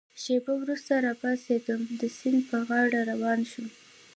شېبه وروسته را پاڅېدم، د سیند پر غاړه روان شوم.